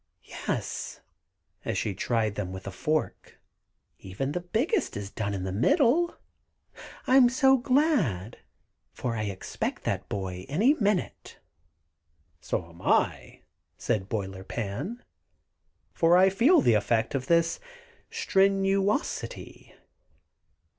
Yes," as she tried them with a fork, "even the biggest is done in the middle. I'm so glad, for I expect that boy any minute." "So'm I," said Boiler Pan, "for I feel the effect of this stren u os i ty."